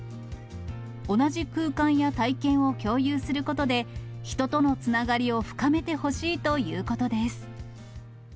同じ空間や体験を共有することで、人とのつながりを深めてほしいということです。